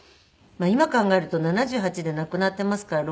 今考えると７８で亡くなっていますから。